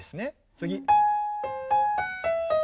次。